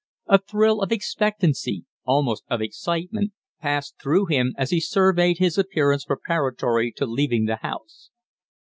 A thrill of expectancy, almost of excitement, passed through him as he surveyed his appearance preparatory to leaving the house.